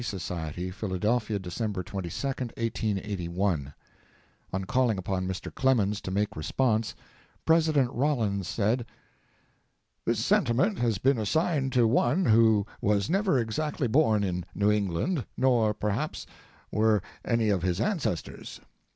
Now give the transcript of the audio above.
SOCIETY, PHILADELPHIA, DECEMBER 22, 1881 On calling upon Mr. Clemens to make response, President Rollins said: "This sentiment has been assigned to one who was never exactly born in New England, nor, perhaps, were any of his ancestors.